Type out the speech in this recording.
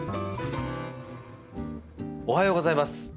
おはようございます。